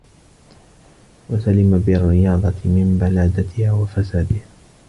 وَسَلِمَ بِالرِّيَاضَةِ مِنْ بَلَادَتِهَا وَفَسَادِهَا